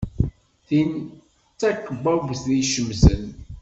Tin d takbabt icemten.